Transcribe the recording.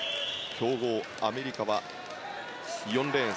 強豪、アメリカは４レーン。